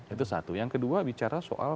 itu satu yang kedua bicara soal